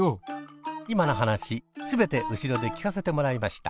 今の話全て後ろで聞かせてもらいました。